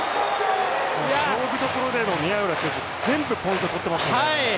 勝負どころでの宮浦選手全部ポイント取ってますよね。